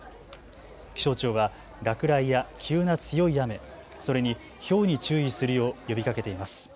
気象庁は落雷や急な強い雨、それにひょうに注意するよう呼びかけています。